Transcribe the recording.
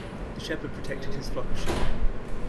The shepherd protected his flock of sheep.